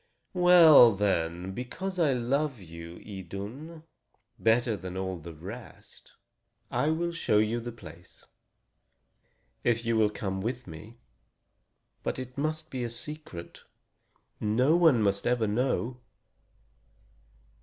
"Well, then, because I love you, Idun, better than all the rest, I will show you the place, if you will come with me. But it must be a secret no one must ever know."